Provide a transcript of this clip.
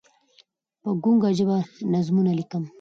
په ګونګه ژبه نظمونه لیکم